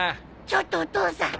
ちょっとお父さん！